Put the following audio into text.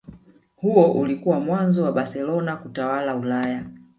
Huo ulikuwa mwanzo wa Barcelona kutawala Ulaya